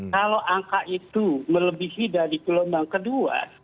kalau angka itu melebihi dari gelombang kedua